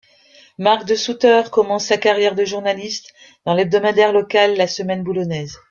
Marc Desoutter commence sa carrière de journaliste dans l'hebdomadaire local La Semaine Boulonnaise.